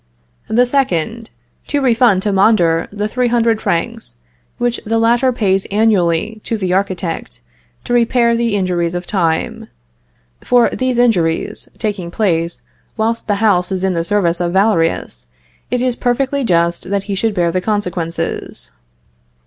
The second, to refund to Mondor the 300 francs, which the latter pays annually to the architect to repair the injuries of time; for these injuries taking place whilst the house is in the service of Valerius, it is perfectly just that he should bear the consequences.